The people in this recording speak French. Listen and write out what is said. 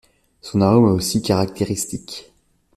Son arôme est aussi caractéristique.